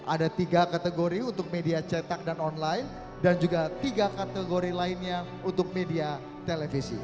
ada tiga kategori untuk media cetak dan online dan juga tiga kategori lainnya untuk media televisi